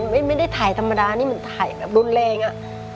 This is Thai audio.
ไม่ได้ถ่ายธรรมดานี่มันถ่ายแบบรุนแรงอะ